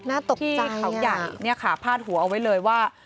ตกที่เขาใหญ่เนี่ยค่ะพาดหัวเอาไว้เลยว่า